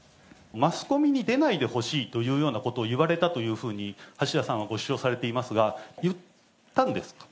マスコミに出ないでほしいというようなことを言われたというふうに橋田さんはご主張されてますが、言ったんですか？